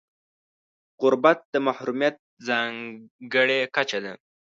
غربت د محرومیت ځانګړې کچه ده.